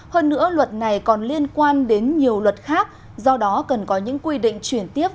hơn nữa luật này còn liên quan đến nhiều luật khác do đó cần có những quy định chuyển tiếp